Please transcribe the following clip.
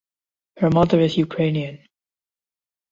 Her mother is Ukrainian.